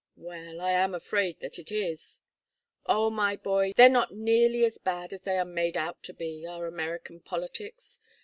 "Well, I am afraid that is it." "Oh, my boy, they're not nearly as bad as they are made out to be our American politics.